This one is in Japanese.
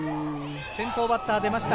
先頭バッター、出ました。